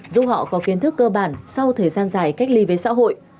giúp họ có kiến thức cơ bản sau thời gian dài cách ly với xã hội